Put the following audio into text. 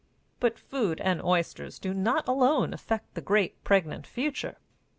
But food and oysters do not alone affect the great, pregnant future.